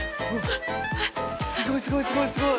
すごいすごいすごいすごい。